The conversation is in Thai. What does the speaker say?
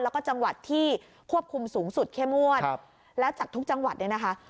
แล้วก็จังหวัดที่ควบคุมสูงสุดเข้มงวดแล้วจากทุกจังหวัดเนี่ยนะคะ